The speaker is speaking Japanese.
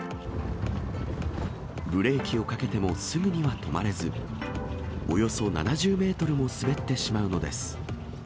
ブレーキをかけてもすぐには止まれず、およそ７０メートルも滑ってしまうのです。